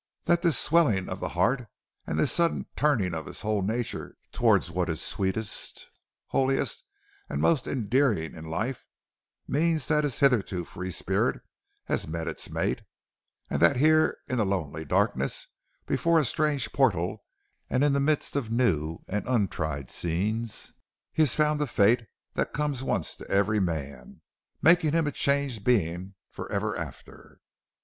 that this swelling of the heart and this sudden turning of his whole nature towards what is sweetest, holiest, and most endearing in life means that his hitherto free spirit has met its mate, and that here in the lonely darkness, before a strange portal and in the midst of new and untried scenes, he has found the fate that comes once to every man, making him a changed being for ever after?